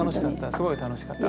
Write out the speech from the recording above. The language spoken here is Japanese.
すごい楽しかった。